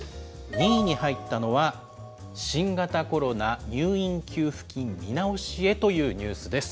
２位に入ったのは、新型コロナ入院給付金見直しへというニュースです。